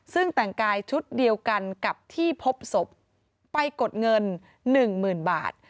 ซึ่งแต่งกายชุดเดียวกันกับที่พบศพไปกดเงินหนึ่งหมื่นบาท